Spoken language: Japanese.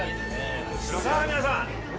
さあ皆さん。